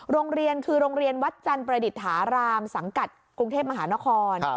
โรงเรียนคือโรงเรียนวัดจันทร์ประดิษฐารามสังกัดกรุงเทพมหานคร